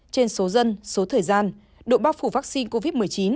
trên số dân số thời gian độ bác phủ vaccine covid một mươi chín